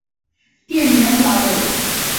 滇缅短尾鼩被发现在中国和缅甸。